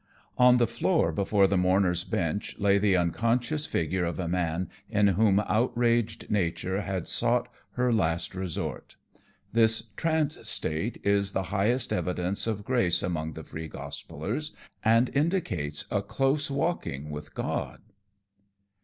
On the floor, before the mourners' bench, lay the unconscious figure of a man in whom outraged nature had sought her last resort. This "trance" state is the highest evidence of grace among the Free Gospellers, and indicates a close walking with God.